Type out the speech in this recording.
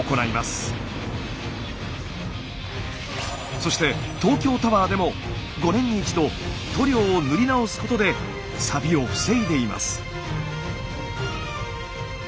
そして東京タワーでも５年に一度塗料を塗り直すことでサビを防いでいます。